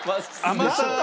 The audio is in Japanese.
甘さ。